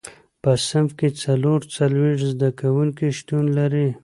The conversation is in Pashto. په صنف کې څلور څلوېښت زده کوونکي شتون لري.